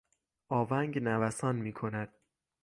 آونگ نوسان میکند.